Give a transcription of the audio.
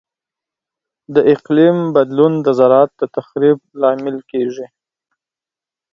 د اقلیم بدلون د زراعت د تخریب لامل کیږي.